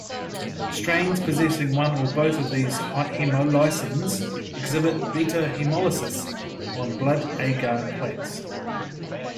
Strains possessing one or both of these hemolysins exhibit beta-hemolysis on blood agar plates.